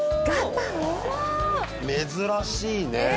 珍しいね。